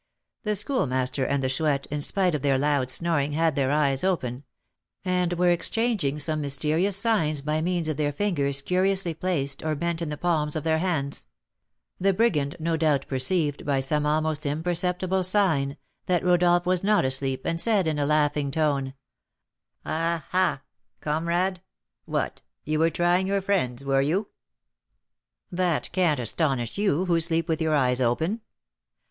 The Schoolmaster and the Chouette, in spite of their loud snoring, had their eyes open, and were exchanging some mysterious signs by means of their fingers curiously placed or bent in the palms of their hands. In an instant this mute language ceased. The brigand no doubt perceived, by some almost imperceptible sign, that Rodolph was not asleep, and said, in a laughing tone: "Ah, ah, comrade! what, you were trying your friends, were you?" "That can't astonish you, who sleep with your eyes open."